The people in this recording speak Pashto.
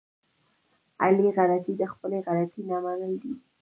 اصلي غلطي د خپلې غلطي نه منل دي.